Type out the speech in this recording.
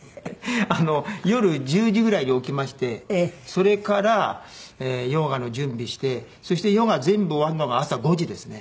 夜１０時ぐらいに起きましてそれからヨガの準備してそしてヨガ全部終わるのが朝５時ですね。